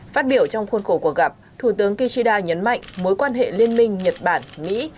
phát biểu trong khuôn khổ cuộc gặp thủ tướng kishida nhấn mạnh mối quan hệ liên minh nhật bản mỹ